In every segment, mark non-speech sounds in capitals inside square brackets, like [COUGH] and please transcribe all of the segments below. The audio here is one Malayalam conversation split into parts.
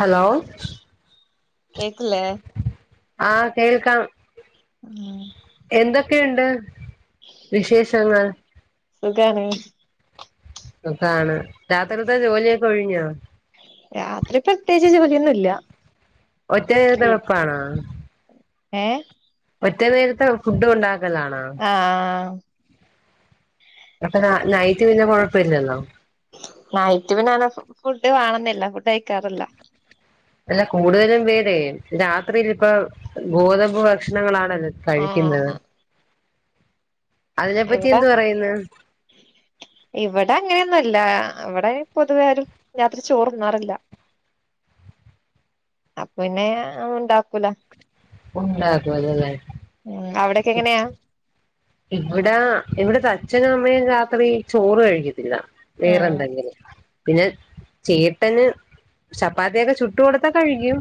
ഹലോ കേക്കില്ലേ ആഹ് കേൾക്കാം ഉം എന്തൊക്കെയ്ണ്ട് വിശേഷങ്ങൾ സുഗാണ് സുഖാണ് രാത്രിത്തെ ജോലിയൊക്കെ ഒഴിഞ്ഞോ രാത്രി പ്രത്യേച്ച് ജോലിയൊന്നൂല്ല ഒറ്റയ്ത് വെപ്പാണാ ഏഹ് ഒറ്റ നേരത്തെ ഫുഡ്ഡ് ഒണ്ടാക്കലാണോ ആഹ് അപ്പനാ നൈറ്റ് പിന്നെ കൊഴപ്പ്ല്ലല്ലോ നൈറ്റ് പിന്നനെ ഫു ഫുഡ്ഡ് വേണന്നില്ല ഫുഡ്ഡ് കയ്ക്കാറില്ല അല്ല കൂടുതലും പേരെ രാത്രിലിപ്പ ഗോതമ്പ് ഭക്ഷണങ്ങളാൺ വല്ലതും കഴിക്കുന്നത് ആഹ് അതിനെപറ്റി ഇവിടെ എന്ത് പറയ്ന്ന് ഇവിടെ അങ്ങനെയൊന്നുല്ല ഇവിടെ പൊതുവെയാരും രാത്രി ചോറുണ്ണാറില്ല അപ്പ്ന്നെ ആഹ് ഒണ്ടാക്കൂല ഒണ്ടാക്കൂലല്ലേ ഉം അവിടെക്കെങ്ങനെയാ ഇവിടാ ഇവിട്ത്തെ അച്ഛനു അമ്മയും രാത്രി ചോറ് കഴികത്തില്ല ആഹ് വേറെന്തെങ്കിലും പിന്നെ ചേട്ടന് ചപ്പാത്തിയൊക്കെ ചുട്ട് കൊടുത്താ കഴിക്കും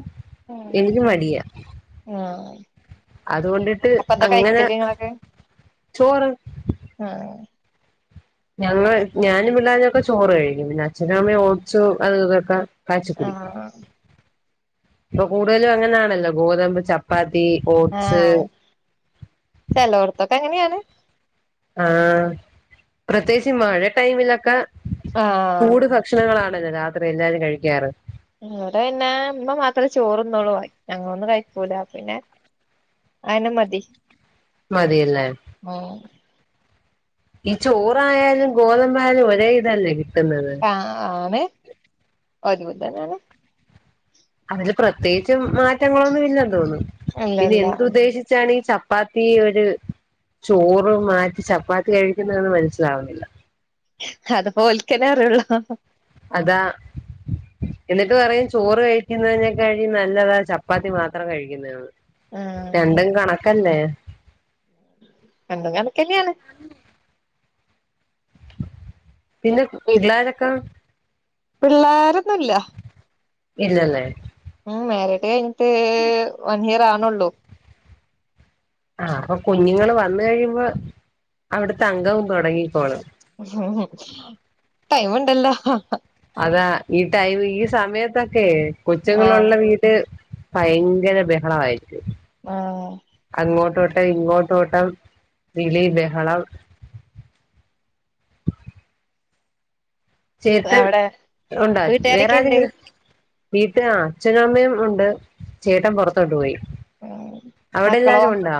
ആഹ് എനിക്ക് മടിയാ ആഹ് അതുകൊണ്ടിട്ട് അപ്പൊ എന്താ അങ്ങനെ കഴിക്കല് നിങ്ങളൊക്കെ ചോറ് ആഹ് ഞങ്ങൾ ഞാനും പിള്ളേരൊക്കെ ചോറ് കഴിക്കും പിന്നെ അച്ഛനും അമ്മയും ഓട്ച്ചു അതിതൊക്കെ കാച്ചികുടിക്കും ആഹ് ഇപ്പൊ കൂടുതലും അങ്ങനൊണല്ലോ ഗോതമ്പ് ചപ്പാത്തി ഓട്സ് ആഹ് ചെലോർത്തൊക്കെങ്ങനെണ് ആഹ് പ്രത്യേകിച്ച് മഴ ടൈമിലൊക്കെ ആഹ് ചൂട് ഭ ഭക്ഷണങ്ങളാണല്ലോ രാത്രി എല്ലാവരും കഴിക്കാറ് ഇവിടെന്നെ ഇമ്മ മാത്രമേ ചോറുന്നുള്ളു ഞങ്ങളൊന്നും കഴിക്കൂല പിന്നെ അയന്നെ മതി മതിയല്ലേ ആഹ് ഈ ചോറായാലും ഗോതമ്പാലും ഒരേ ഇതല്ലേകിട്ടുന്നത്. ആണ് ഒരെകുതെന്നെയാണ്. അതില് പ്രത്യേകിച് മാറ്റങ്ങളൊന്നുല്ല തോന്നു പിന്നെ അല്ലല്ല എന്ത്ഉദ്ദേശി ഇച്ചാണീ ചപ്പാത്തിഒര് ചോറ്മാറ്റി ചപ്പാത്തികഴ്ക്കുന്നത് മനസ്സിലാവുന്നില്ല. അത് പോ ഓൽക്കെന്നെഅറിയുള്ളൂ. അതാ എന്നിട്ട് പറയും ചോറ് കഴിക്കുന്നതിനേക്കാൾ നല്ലതാ ചപ്പാത്തി മാത്രം കഴിക്കുന്നേന്ന് ഉം രണ്ടും കണക്കല്ലേ? രണ്ടുംകാണക്കെന്നെയാണ്. പിന്നെ പിള്ളാരൊക്കെ പിള്ളേരൊന്നുല്ല. ഇല്ലല്ലേ? ഉം മേരിഡ് കഴ്ഞ്ഞിട്ട് വൺ ഇയർ ആവ്ന്നൊള്ളു. ആഹ് അപ്പൊ കുഞ്ഞുങ്ങള് വന്ന് കഴിയുമ്പോ അവിടുത്തെഅംഗവും തുടങ്ങികൊള്ളും. ടൈമ് ഇണ്ടല്ലോ? അതാ ഈ ടൈമ് ഈസമയത്തൊക്കെ ആഹ് കൊച്ചുങ്ങളുള്ള വീ ട്ട് ഭയങ്കര ബെഹളയിരിക്കും ആഹ് അങ്ങോട്ട് ട്ട് ഇങ്ങോട്ടോട്ടം വിളിബെഹളം. ചേട്ടെൻ അവിടെ ഉണ്ടോ വേറെ വീട്ടുകാരൊക്കെ ഉണ്ട് ആരെങ്കിൽ വീട്ട അച്ഛനമ്മയുംഉണ്ട് ചേട്ടൻ പുറത്തോട്ട്പോയി. ഉം മക്കളോ അവിടെല്ലാരും ഉണ്ടോ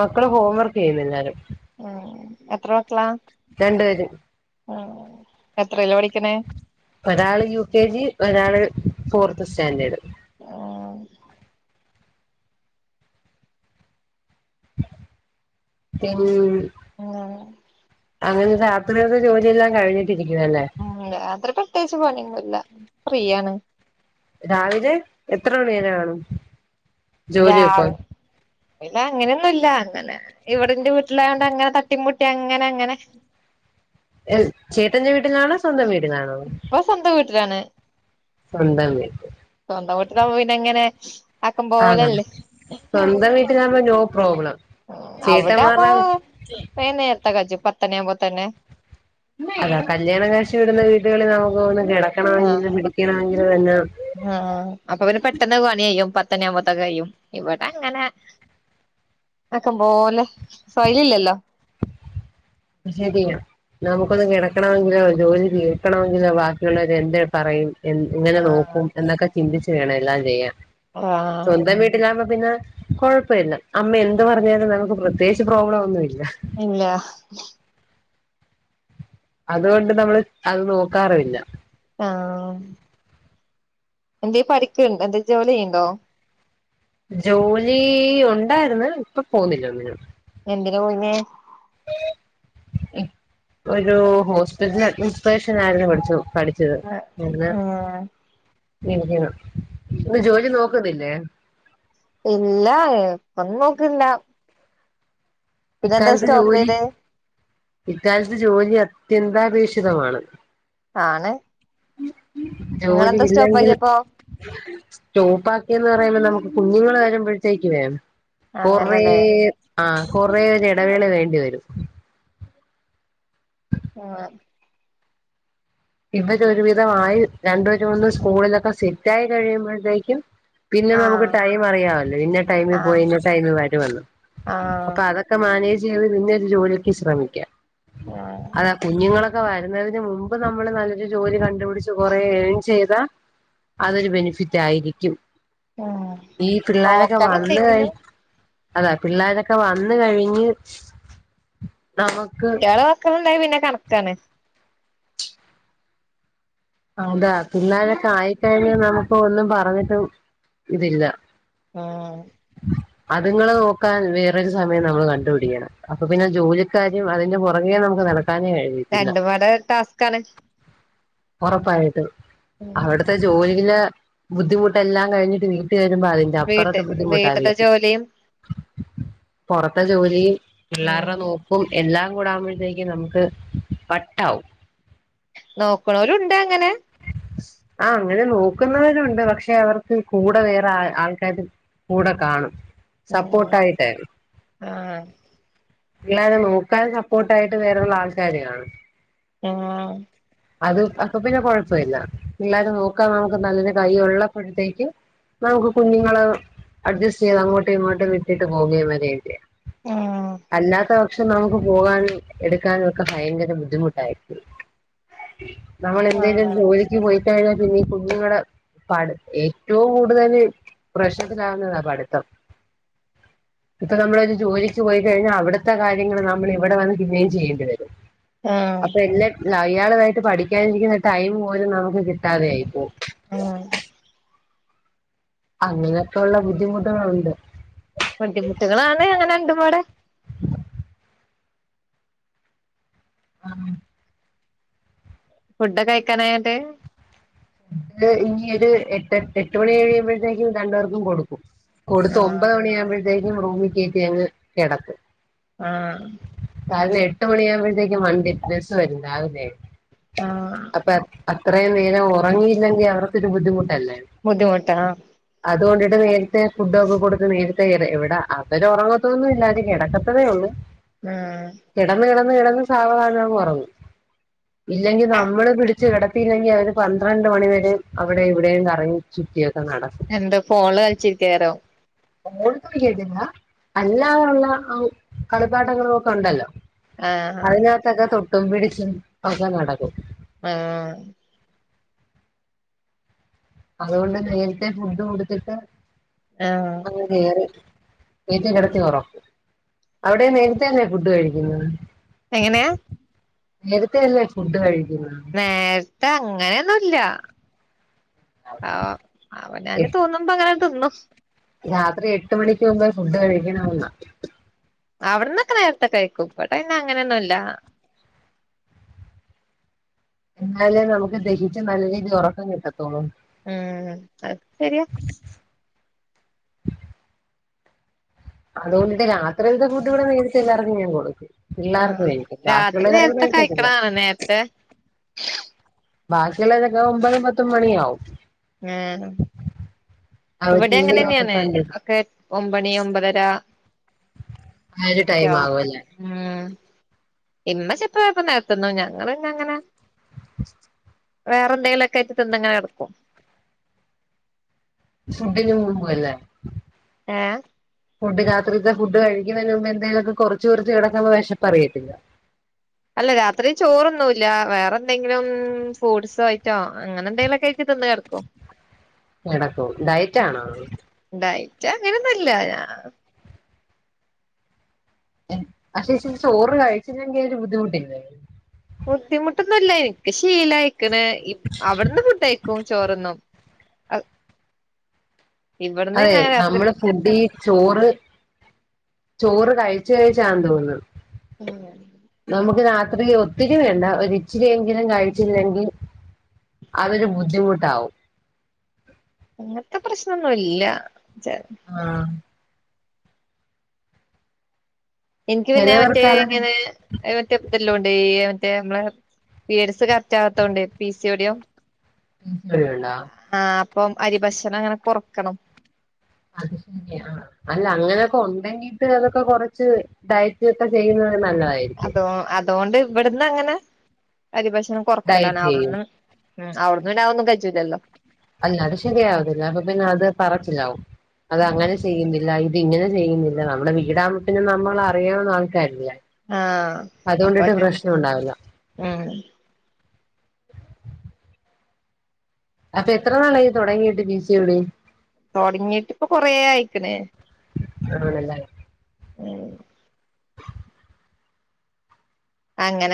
മക്കൾ ഹോം വർക്ക് ചെയ്യുന്നു. എല്ലാരും ഉം എത്രമക്കളാ? രണ്ട്പേര്. ഉം എത്രിലാ പഠിക്ക്ണേ? ഒരാള് യു കെ ജി ഒരാള് ഫോർത്ത് സ്റ്റാൻഡേർഡ്. ആഹ് പിന്ന് [UNINTELLIGIBLE] അങ്ങനെ രാത്രിയത്രേ ജോലിയെല്ലാം കഴിഞ്ഞിട്ടിരിക്കുവാഅലേ? ഉം അത്ര പ്രത്യേകിച്ച് പണിഒന്നുല്ല ഫ്രീയാണ്. രാവിലെ എത്രമണിവെരെകാണും. രാവ് അങ്ങനെയൊന്നുല്ല അങ്ങനെ ഇവടെന്റെ വീട്ടിലായതോണ്ട് അങ്ങനെ തട്ടിമുട്ടിഅങ്ങനെ, അങ്ങനെ എഹ് ചേട്ടെന്റെ വീട്ടിലാണോസ്വന്തം വീട്ടിലാണോ? ഇപ്പോ സ്വന്തംവീട്ടിലാണ്. സ്വന്തം വീട് സ്വന്തംവീട്ടിന്നാമ്പോ പിന്നെങ്ങനെ ആ സ്വന്തം വീട്ടിലാമ്പോ നോ പ്രോബ്ലം അവ്ടാമ്പോ ചേട്ടന്മാരുടെ വേം നേർത്തെ കജ്ജും പത്തണി ആവുമ്പോ തന്നെ അതാ കല്യാണം കയിച് വിടുന്ന വീടുകളിൽ നമുക്ക് ഒന്ന് ആഹ് കിടക്കണമെങ്കിലിലും ഇരിക്കണമെങ്കിലും എല്ലാം ആഹ് അപ്പൊ പിന്നെ പെട്ടെന്ന് പണികയ്യും പത്തണിയുമ്പത്തൊക്കെ കയ്യും ഇവടെ അങ്ങനെ ആക്കംമ്പോലെ സൊയ്ല ഇല്ലല്ലോ അത്‌ ശെരിയ ന്നമുക്കൊന്ന് കിടക്കണമെങ്കിലോ ജോലിതീർക്കണമെങ്കിലോ ബാക്കിയുള്ളവര് എന്ത്‌പറയും എങ്ങനെ ആഹ് നോക്കും എന്നൊക്കെ ചിന്തിച്ച് വേണം എല്ലാം ചെയ്യാൻ ആഹ് സ്വന്തംവീ ട്ടിലാമ്പോ പിന്നെ കൊഴപ്പല്ല അമ്മ എന്ത് പറഞ്ഞാലും ന്നമുക്ക് പ്രത്യേകിച്ച് പ്രോബ്ലം ഒന്നുമില്ല ഇല്ലാഹ് അത്കൊണ്ട് നമ്മള് അത് ന്നോക്കാറുല്ല ആഹ് എന്തേ പഠിക്ക്ണ്ടോ എന്തേ ജോലി ചെയ്യ്ണ്ടോ ജോലി ഉണ്ടായിര്ന്ന് ഇപ്പൊ പോന്നില്ല ഒന്നിനും എന്തിന് പോയിനെ ഒരു ഹോസ്പിറ്റല അഡ്മിസ്ട്രേഷനായിരുന്നു പഠിച്ചു പഠിച്ച ആഹ് ത് ആഹ് ഇന്ന് ജോലി നോക്കുന്നല്ലേ ഇല്ല ഇപ്പൊന്നും നോക്ക്ന്ല്ല ഇക്കാലത്ത് സ്റ്റോപ്പ് ജോലി ചെയ്തേ ഇക്കാലത്ത് ജോലി അത്യന്താപേക്ഷിതമാണ് ആണ് ജോലി നിങ്ങളെന്താ സ്റ്റോപ്പ് ഇല്ലെങ്കിൽ ആക്കിയപ്പോ സ്റ്റോപാക്കിന്ന് പറയുമ്പോൾ നമുക്ക് കുഞ്ഞുങ്ങൾ വരുമ്പഴത്തേക്കെ കുറേ അങ്ങനല്ലേ ആ കൊറേ ഒരു എടവേള വേണ്ടിവരും ആഹ്‌ ഇവര് ഒരുവിധമായി രണ്ടോ ചൂന്നോ സ്കൂളിലൊക്കെ സെറ്റായി കഴിയുമ്പഴത്തേക്കും പിന്നെ നമുക്ക് ആഹ് ടൈം അറിയാമല്ലോ ഇന്ന ടൈമിൽ പോയി ആഹ് ഇന്ന ടൈമിൽ വരുമെന്ന് ആഹ് അപ്പൊ അതൊക്കെ അതൊക്ക മാനേജ് ചെയ്ത് പിന്നെ ഒരു ജോലിക്ക് ശ്രമിക്കാം ആഹ് അതാ കുഞ്ഞുങ്ങള് ഒക്കെ വരുന്നതിന് മുമ്പ് നമ്മള് നല്ലൊരു ജോലി കണ്ടുപിടിച്ച് കൊറേ ഏൺ ചെയ്താ അതൊരു ബെനിഫിറ്റ് ആയിരിക്കും ആഹ് ഈ പിള്ളാരൊക്കെ നോക്കണം വന്ന് കഴി എന്തെങ്കിലും അതാ പിള്ളേരൊക്കെ വന്ന് കഴിഞ്ഞ് നമുക്ക് സ്കൂൾണ്ടായ പിന്നെ കണക്കാന് അതാ പിള്ളാരൊക്കെ ആയിക്കഴിഞ്ഞ് നമുക്ക് ഒന്നും പറഞ്ഞിട്ടും ഇതില്ല ആഹ്‌ അതുങ്ങളെ നോക്കാൻ വേറൊരു സമയം നമ്മൾ കണ്ടുപിടിക്കണം അപ്പൊ പിന്നെ ജോലിക്കാര്യം അതിന്റെ പുറകെ നമുക്ക് നടക്കാനേ കഴിയും രണ്ടുംപാടെ ടാസ്ക് ആണ് ഉറപ്പായിട്ടും ഉം അവിടുത്തെ ജോലിയിലെ ബുദ്ധിമുട്ടെല്ലാം കഴിഞ്ഞിട്ട് വീട്ട് വരുമ്പോ ആ അപ്പറത്ത വീട്ട് ബുദ്ധിമുട്ടാ വീട്ടത്തെ വീട്ടിൽ ജോലിയും പറത്തെ ജോലി പിള്ളാര്ടെ ഉം നോക്ക ക്കും എല്ലാം കൂടാകുമ്പോഴത്തേക്കും നമുക്ക് വട്ടാവും നോക്ക്ണോരും ഉണ്ട് അങ്ങനെ ആഹ്‌ അങ്ങനെ നോക്കുന്നവരുണ്ട് പക്ഷെ അവർക്ക് കൂടെ വേറെ ആൾക്കാരും കൂടെ കാണും ഉം സപ്പോർട്ട് ആയിട്ടെ ആഹ് പിള്ളാരെ നോക്കാന് സപ്പോർട്ട് ആയിട്ട് വേറള്ള ആൾക്കാാര് കാണും ആഹ അത് അപ്പൊ പിന്നെ കൊഴപ്പമില്ല പിള്ളേരെ നോക്കാന് നമുക്ക് നല്ലൊരു കയ്യ് ഉള്ളപ്പഴത്തേക്ക് നമുക്ക് കുഞ്ഞുങ്ങള് അഡ്ജസ്റ്റ് ചെയ്ത് അങ്ങോട്ടും ഇങ്ങോട്ടും വിട്ടിട്ട് പോവുകയും വരേം ചെയ്യാ ആഹ് അല്ലാത്ത പക്ഷം നമുക്ക് പോകാനും എടുക്കാനും ഒക്കെ ഭയങ്കര ബുദ്ധിമുട്ടായിരിക്കും നമ്മൾ എന്തെങ്കലും ആഹ് ജോലിക്ക് പോയി കഴിഞ്ഞാൽ പിന്നെ ഈ കുഞ്ഞുങ്ങള് പഠ ഏറ്റവും കൂടുതൽ പ്രശത്തിലാവുന്നതാ പഠിത്തം ഇപ്പൊ നമ്മളൊ ഒരു ജോലിക്ക് പോയി കഴിഞ്ഞാൽ അവിടുത്തെ കാര്യങ്ങൾ നമ്മൾ ഇവിടെ വന്ന് പിന്നെയും ചെയ്യേണ്ടി വരും ആഹ് അപ്പൊ എന്നെ അയാളായിട്ട് പഠിക്കാനിരിക്കുന്ന ടൈം പോലും നമുക്ക് കിട്ടാതെയായി പ്പോവും ആഹ് അങ്ങനെയൊക്കെ ഉള്ള ബുദ്ധിമുട്ടുകളുണ്ട് ബുദ്ധിമുട്ടുകളാണ് അങ്ങനെ രണ്ടും പാടെ ആഹ് ഫുഡ്കെ കഴിക്കാനായോന്ന്ട്ട് ഇത് ഇനി ഒരു എ എട്ട് മണി എഴിയുമ്പോഴത്തേക്കും രണ്ട്പെർക്കും കൊടുക്കും കൊടുത്ത് ആഹ് ഒമ്പത് മണിയ ആകുമ്പോഴത്തേക്കും റൂമി കയറ്റി ങ്ങ് കിടത്തും ആഹ് കാരണം എട്ട് മണിയാവുമ്പോഴത്തേക്കും വണ്ടി ബസ്സ് വരും രാവിലെ ആഹ് അപ്പൊ അത്രയും നേരം ഉറങ്ങിയില്ലെങ്കിൽ അവർക്കൊരു ബുദ്ധിമുട്ടല്ലെ ബുദ്ധിമുട്ടാ അതുകൊണ്ടിട്ട് നേരത്തെ ഫുഡൊക്കെ കൊടുത്ത് നേരത്തെ ഇ ഇവിടെ അവര് ഉറങ്ങത്തൊന്നുംല്ല അവര് കിടക്ക തെള്ളു ആഹ് കിടന്ന്കിടന്ന് കടന്ന് സാവധാനങ്ങ് ഉറങ്ങും ഇല്ലെങ്കിൽ നമ്മള് പിടിച്ചച്ച് കിടത്തില്ലെങ്കിൽ അവര് പത്രണ്ട് മണിവരും അവിടെ ഇവിടെയും കറങ്ങി ചുറ്റിയൊക്കെ നടക്കും എന്താ ഫോൺല് കളിച്ചിരിക്കാരോ [UNINTELLIGIBLE] അല്ലാതുള്ള കളിപാഠങ്ങളും ഒക്കെ ഉണ്ടല്ലോ ആഹ് അതിനകത്തൊക്കെ തൊട്ടും പിടിച്ചും ഒക്കെ നടക്കും ആഹ് ആഹ് അതുകൊണ്ട് നേരത്തെ ഫുഡ് കൊടുത്തിട്ട് ആഹ് [UNINTELLIGIBLE] കൊറി നേരത്തെ കിടത്തി ഒറക്കും അവിടെ ന്നെരതന്നെ ഫുഡ് കഴിക്കുന്നെ എങ്ങനെയാ ഇരത്തെ അല്ലേ ഫുഡ് കഴിക്കുന്ന നേരത്തെ അങ്ങനെയൊന്നുല്ല ആ അവനാന് തോന്നും മ്പോങ്ങന തുന്നും രാത്രി എട്ട് മണിക്ക് മുമ്പോ ഫുഡ് കഴിക്കണന്നാ അവിടന്നൊക്കെ നേരത്തെ കഴിക്കും ഇബടെ പിന്നെ അങ്ങനെയോന്നുല്ല എന്നാലേ നമുക്ക് ദഹിച്ച് നല്ല രീതി ഉറക്കം കിട്ടത്തൊള്ളൂ ഉം അത് ശരിയാ അതുകൊണ്ട് രാത്രിതെ ഫുഡ്‌ ഇവടെ നേരതെ എല്ലാർക്കും ഞാൻ കൊടുക്കും പിള്ളേർക്ക് ആഹ് കഴിക്കും രാത്രി ബാക്കിയുള്ളവരാരും നേരത്തെ കഴിക്കത്തില്ല കഴിക്കണാണ് നേരത്തെ ബാക്കിയുള്ളവരൊക്കെ ഒമ്പത് പത്തുമണി ആവും ആ അവർ ഇവിടെ ടി വി എങ്ങനെ ഒക്കെ ന്നെയാണ് കണ്ടിട്ട് ഒക്കെ ഒമ്പണി ഒമ്പതര ആ ഒരു ടൈം ആവുല്ലെ ഉം ഇമ്മ ചെലപ്പൊ പ്പ ന്നെരത്തെന്നും ഞങ്ങള് പിന്നെ ങ്ങനെ അ വേറെ എന്തെലൊക്ക ആയിറ്റ് തിന്ന്ങ്ങനെ കടക്കും ഫുഡിന് മുമ്പ് അല്ലേ ഏഹ് ഫുഡ് രാത്രിത്തെ ഫുഡ് കഴിക്കുന്നതിന് മുമ്പ എന്തെലും ഒക്കെ കോറിച്ച് കോറിച്ച് കിടക്കുമ്പോ വിശപ്പ് അിറിയത്തില്ല അല്ല രാത്രി ചോറൊണുല്ല വേറെ എന്തെങ്കിലും ഫൂഡ്സോ ഐറ്റോ അങ്ങനെ എന്തെങ്കിലുമൊക്കെ ആയിട്ട് തിന്ന് കേടക്കും കേടക്കും ഡയറ്റാണോ ഡയറ്റ് അങ്ങനെയൊന്നുല്ല പക്ഷേ ഇച്ചിരി ചോറ് കഴിച്ചില്ലെങ്ക ഒരു ബുദ്ധിമുട്ടില്ലേ ബുദ്ധിമുട്ടൊന്നും ഇല്ല എനിക്ക് ശീല അയക്കണ് അവിടുന്ന് ഫുഡ് കഴിക്കും ചോറൊന്നും ഇവിടുന്ന് അതെ തന്നെ രാത്രി നമ്മള് നിന്റെ ഈ ചോറ് ചോറ് കഴിച്ച കഴിച്ചാണ് തോന്നുന്നത് ഉം നമുക്ക് രാത്രി ഒത്തിരി വേണ്ട ഒരിച്ചിരിെങ്കിലും കഴിച്ചില്ലെങ്കിൽ അതൊരു ബുദ്ധിമുട്ടാവും അങ്ങനത്തെ പ്രശ്നമൊന്നുമില്ല ആഹ് എനിക്ക് പിന്നെ മറ്റേ ചിലവർക്ക് അതൊരു ഇങ്ങനെ അത് മറ്റേ ഇതല്ലംണ്ട് മറ്റേ നമ്മളെ പിരീഡ്സ് കറക്റ്റ് ആവാത്തോണ്ടേ പി സിയോഡിയം [UNINTELLIGIBLE] ആഹ് അപ്പം അരി ഭക്ഷണം അങ്ങനെ കോറക്കണം അത് ശരി ആഹ് അല്ല അങ്ങനക്കെ ഉണ്ടെങ്കീട്ട് അതൊക്കെ കോറച്ച് ഡയറ്റ് ക്കെ ചെയ്യുന്നത് നല്ലതായിരി അതോ അതുകൊണ്ട് ഇവിടുന്ന് അങ്ങനെ അരിഭക്ഷണം കൊറക്കലാണ് ഡയറ്റ് ചെയ്യും അവിടെന്ന് ഉം അവിടന്ന ഉണ്ടാവൊന്നും കയിച്ചുല്ലലോ അല്ല അത് ശരിയാവത്തില്ല അപ്പൊ പിന്നെ അത് പറച്ചിലാവും അത് ഉം അങ്ങനെ ചെയ്യുന്നില്ല ഇത് ഇങ്ങനെ ചെയ്യുന്നില്ല നമ്മടെ വീടാവും പിന്ന നമ്മൾ അറിയാവുന്ന ആൾക്കാരില്ലേ ആഹ് അതുകൊണ്ടിട്ട് പ്രശ്നം ഉണ്ടാവില്ല ആഹ് അതെ എത്ര നാളായിത് തുടങ്ങിയിട്ട് പി സി യോടി തോടങ്ങിട്ട് ഇപ്പൊ കൊറേ ആയിക്കണ് ആണല്ലേ ആഹ് അങ്ങനെ